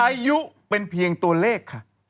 อายุเป็นเพียงตัวเลขค่ะ